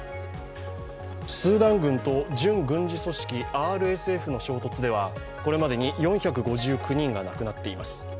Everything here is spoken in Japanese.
スーダン軍と準軍事組織＝ＲＳＦの衝突ではこれまでに４５９人が亡くなっています。